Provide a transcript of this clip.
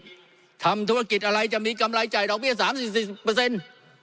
ทำธุรกิจอะไรจะมีกำไรจ่ายดอกเบี้ยสามสี่สิบเปอร์เซ็นต์